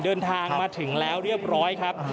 เดินทางมาถึงแล้วเรียบร้อยครับ